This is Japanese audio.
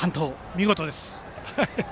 見事です。